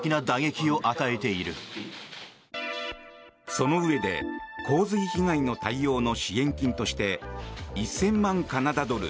そのうえで洪水被害の対応の支援金として１０００万カナダドル